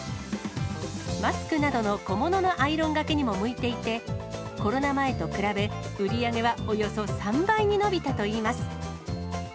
マスクなどの小物のアイロンがけにも向いていて、コロナ前と比べ、売り上げはおよそ３倍に伸びたといいます。